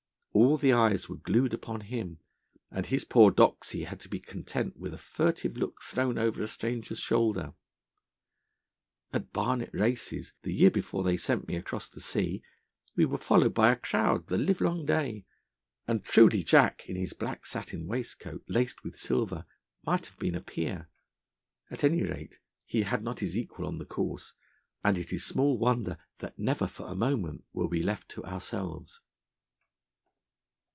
All the eyes were glued upon him, and his poor doxy had to be content with a furtive look thrown over a stranger's shoulder. At Barnet races, the year before they sent me across the sea, we were followed by a crowd the livelong day; and truly Jack, in his blue satin waistcoat laced with silver, might have been a peer. At any rate, he had not his equal on the course, and it is small wonder that never for a moment were we left to ourselves.